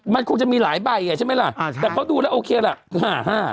มันคงจะมีหลายใบอ่ะใช่ไหมล่ะอ่าใช่แต่เขาดูแล้วโอเคล่ะห้าห้า